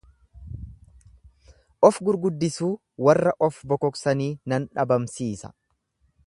Of-gurguddisuu warra of bokoksanii nan dhabamsiisa.